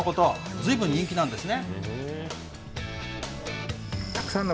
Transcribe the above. ずいぶん人気なんですね。